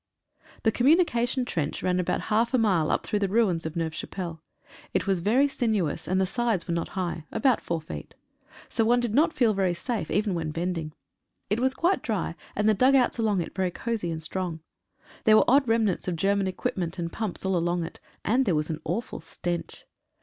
The communication trench ran about half a mile up through the ruins of Neuve Chapelle. It was very sinuous, and the sides were not high — about four feet. So one did not feel very safe even when bending. It was quite dry, and the dug outs along it very cosy and strong. There were odd rem nants of German equipment, and pumps all along it. And there was an awful stench.